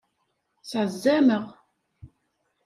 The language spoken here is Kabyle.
Sɛezzameɣ.